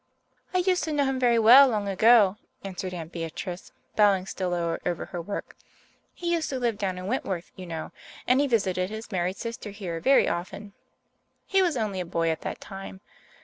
"I used to know him very well long ago," answered Aunt Beatrice, bowing still lower over her work. "He used to live down in Wentworth, you know, and he visited his married sister here very often. He was only a boy at that time.